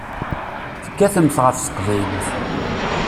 Tekkatemt ɣef teqbaylit.